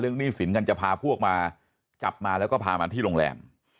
หนี้สินกันจะพาพวกมาจับมาแล้วก็พามาที่โรงแรม